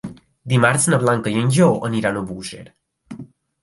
Dimarts na Blanca i en Lleó aniran a Búger.